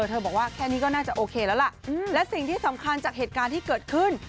เธอบอกว่าแค่นี้ก็น่าจะโอเคแล้วล่ะและสิ่งที่สำคัญจากเหตุการณ์ที่เกิดขึ้น